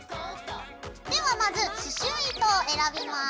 ではまず刺しゅう糸を選びます。